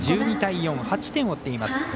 １２対４、８点を追っています。